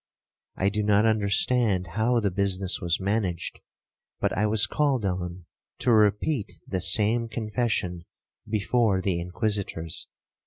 I do not understand how the business was managed, but I was called on to repeat the same confession before the Inquisitors.